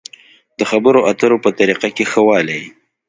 د خبرو اترو په طريقه کې ښه والی.